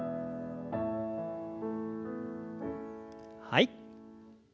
はい。